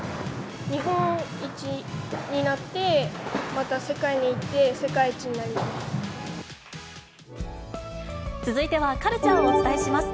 日本一になって、また世界に行っ続いてはカルチャーをお伝えします。